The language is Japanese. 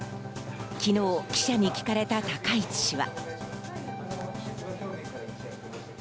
昨日、記者に聞かれた高市氏は。